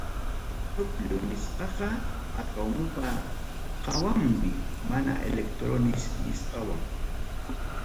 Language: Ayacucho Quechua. Núcleo nisqaqa, atomopa hawanmi, mana electrones nisqawan.